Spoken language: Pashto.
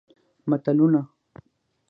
متلونه